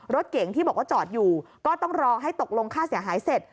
รถเก๋งที่บอกว่าจอดอยู่ก็ต้องรอให้ตกลงค่าเสียหายเสร็จ